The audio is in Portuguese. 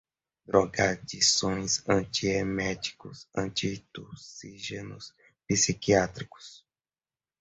drogadições, antieméticos, antitussígenos, psiquiátricos